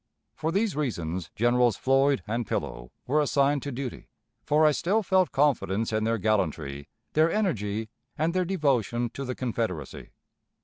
For these reasons Generals Floyd and Pillow were assigned to duty, for I still felt confidence in their gallantry, their energy, and their devotion to the Confederacy.